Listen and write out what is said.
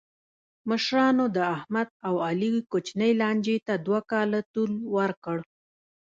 مشرانو د احمد او علي کوچنۍ لانجې ته دوه کاله طول ورکړ.